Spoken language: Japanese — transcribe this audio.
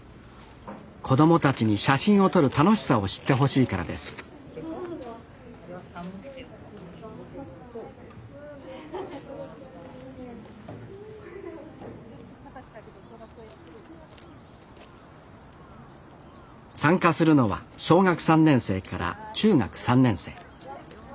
子供たちに写真を撮る楽しさを知ってほしいからです参加するのは小学３年生から中学３年生。